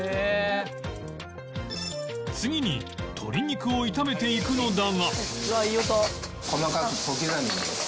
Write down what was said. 次に鶏肉を炒めていくのだが